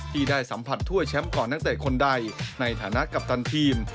ที่ได้สัมผัสถ้วยแชมป์ของนักเตะคนใดในฐานะกัปตันทีม